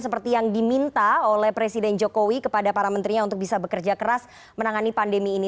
seperti yang diminta oleh presiden jokowi kepada para menterinya untuk bisa bekerja keras menangani pandemi ini